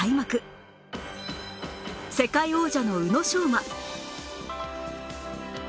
世界王者の宇野昌磨